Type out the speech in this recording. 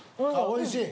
おいしい？